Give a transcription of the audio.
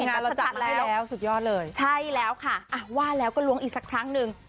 หลังจากมาให้แล้วสุดยอดเลยใช่แล้วค่ะอ่ะว่าแล้วก็ล้วงอีกสักครั้งหนึ่ง